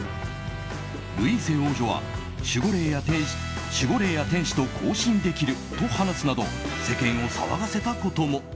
ルイーセ王女は守護霊や天使と交信できると話すなど、世間を騒がせたことも。